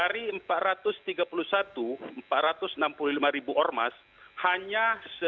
ribu ormas hanya